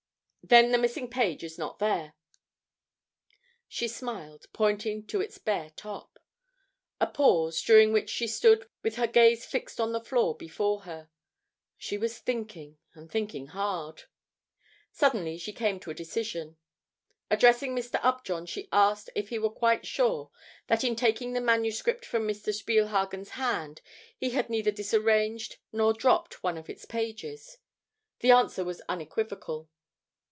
"Then the missing page is not there," she smiled, pointing to its bare top. A pause, during which she stood with her gaze fixed on the floor before her. She was thinking and thinking hard. Suddenly she came to a decision. Addressing Mr. Upjohn she asked if he were quite sure that in taking the manuscript from Mr. Spielhagen's hand he had neither disarranged nor dropped one of its pages. The answer was unequivocal.